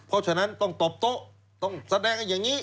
เพราะฉะนั้นต้องตอบโต๊ะต้องแสดงให้อย่างนี้